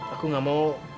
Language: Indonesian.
aku gak mau